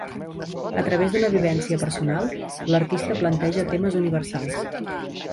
A través d'una vivència personal, l'artista planteja temes universals.